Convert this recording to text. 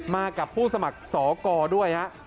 มากับผู้สมัครสกด้วย